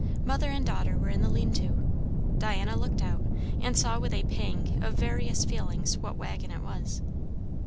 Mother and daughter were in the lean to. Diana looked out, and saw with a pang of various feelings what waggon it was.